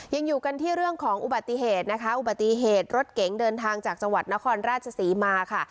ยังอยู่กันที่เรื่องของอุบัติเหตุนะคะอุบัติเหตุรถเก๋งเดินทางจากจังหวัดนครราชศรีมาค่ะ